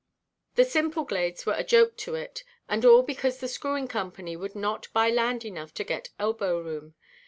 The Symplegades were a joke to it. And all because the Screwing Company would not buy land enough to get elbow room.